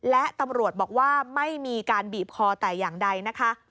และตำรวจบอกว่าไม่มีการบีบคอแต่อย่างใดนะคะ